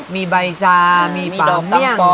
มีป่าเมี่ยง